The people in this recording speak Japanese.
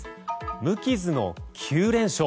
無傷の９連勝。